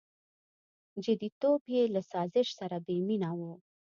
• جديتوب یې له سازش سره بېمینه و.